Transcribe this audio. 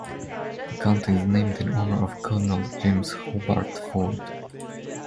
The county is named in honor of Colonel James Hobart Ford.